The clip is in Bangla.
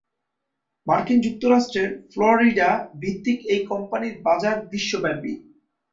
মার্কিন যুক্তরাষ্ট্রের ফ্লোরিডা ভিত্তিক এই কোম্পানির বাজার বিশ্বব্যাপী।